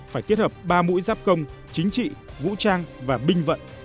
phải kết hợp ba mũi giáp công chính trị vũ trang và binh vận